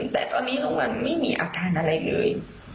แต่ตอนนี้ลงวันไม่มีอัฐานอะไรเลย